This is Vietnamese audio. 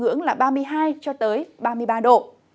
mức nhiệt ứng là ba mươi hai ba mươi ba độ